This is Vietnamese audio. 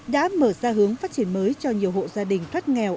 đã mở ra hướng phát triển mới cho nhiều hộ gia đình thoát nghèo